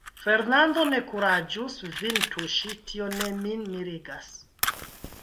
Fernando ne kuraĝus vin tuŝi, tio ne min mirigas.